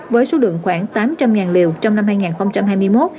với số lượng khoảng tám trăm linh liều trong năm hai nghìn hai mươi một